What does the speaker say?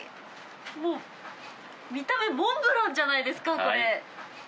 もう、見た目、モンブランじゃないですか、これ。